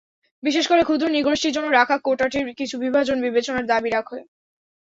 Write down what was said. বিশেষ করে ক্ষুদ্র নৃগোষ্ঠীর জন্য রাখা কোটাটির কিছু বিভাজন বিবেচনার দাবি রাখে।